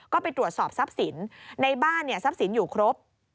ก็ไปตรวจสอบทรัพย์สินในบ้านเนี่ยทรัพย์สินอยู่ครบ